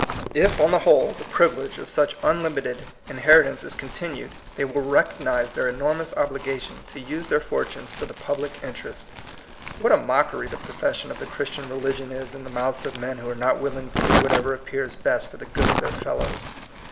If, on the whole, the privilege 184 THE COMING PEOPLE. of such unlimited inheritance is continued, they will recognize their enormous obliga tion to use their fortunes for the public interest. What a mockery the profession of the Christian religion is in the mouths of men who are not willing to do whatever appears best for the good of their fellows